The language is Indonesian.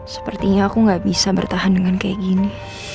sepertinya aku gak bisa bertahan dengan kayak gini